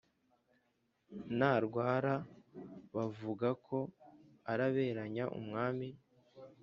Ntarwarabavugako araberanya umwami